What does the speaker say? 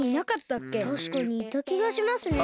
たしかにいたきがしますね。